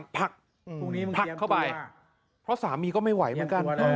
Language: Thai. เพราะสามีก็ไม่ไหวเหมือนกัน